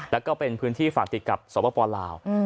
แล้วก็เป็นพื้นที่ฝากติดกับสวปลาว